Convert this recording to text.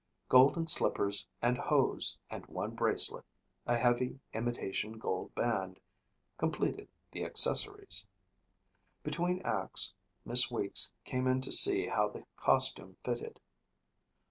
Golden slippers and hose and one bracelet, a heavy, imitation gold band, completed the accessories. Between acts Miss Weeks came into see how the costume fitted.